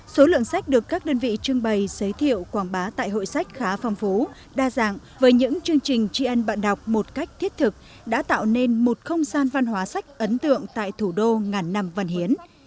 số lượng sách được các đơn vị trưng bày giới thiệu quảng bá tại hội sách khá phong phú đa dạng với những chương trình tri ân bạn đọc một cách thiết thực đã tạo nên một không gian văn hóa sách ấn tượng tại thủ đô ngàn năm văn hiến